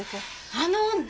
あの女